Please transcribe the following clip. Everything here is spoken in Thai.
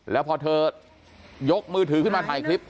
แล้วพอเธอยกมือถือขึ้นมาถ่ายคลิป